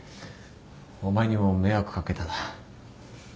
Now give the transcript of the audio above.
お前にも迷惑かけたな。